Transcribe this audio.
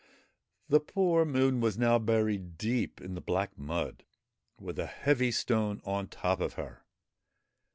The poor Moon was now buried deep in the black mud, with a heavy stone on top of her.